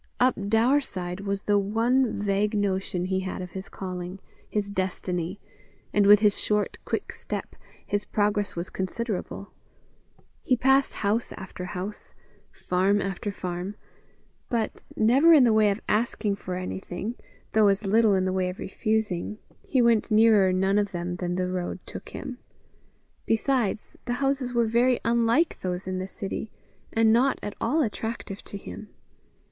Up Daurside was the one vague notion he had of his calling, his destiny, and with his short, quick step, his progress was considerable; he passed house after house, farm after farm; but, never in the way of asking for anything, though as little in the way of refusing, he went nearer none of them than the road led him. Besides, the houses were very unlike those in the city, and not at all attractive to him.